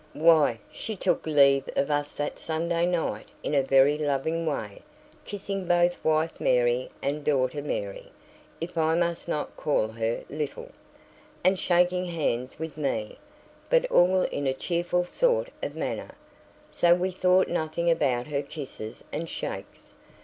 "Why, she took leave of us that Sunday night in a very loving way, kissing both wife Mary, and daughter Mary (if I must not call her little), and shaking hands with me; but all in a cheerful sort of manner, so we thought nothing about her kisses and shakes.